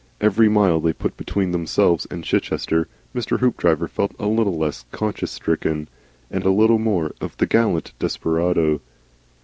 Every mile they put between themselves and Chichester Mr. Hoopdriver felt a little less conscience stricken, and a little more of the gallant desperado.